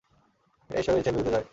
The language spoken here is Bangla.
এটা ঈশ্বরের ইচ্ছের বিরুদ্ধে যায়।